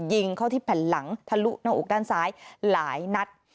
ยิงเข้าที่แผ่นหลังทะลุหน้าอกด้านซ้ายหลายนัด